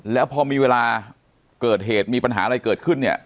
แล้วพอมีเวลาเกิดเหตุมีปัญหาอะไรเกิดขึ้นเนี่ย